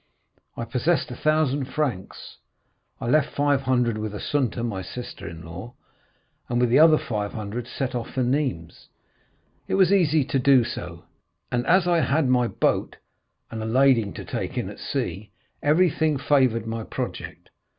I possessed a thousand francs. I left five hundred with Assunta, my sister in law, and with the other five hundred I set off for Nîmes. It was easy to do so, and as I had my boat and a lading to take in at sea, everything favored my project.